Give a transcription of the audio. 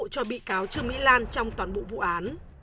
cho bị cáo trương mỹ lan trong toàn bộ vụ án